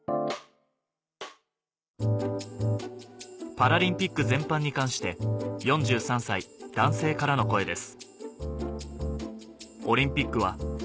パラリンピック全般に関して４３歳男性からの声です